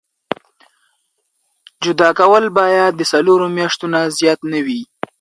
جدا کول باید د څلورو میاشتو نه زیات نه وي.